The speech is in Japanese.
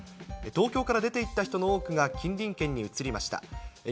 東京から出ていった人の多くが近隣県に移りました。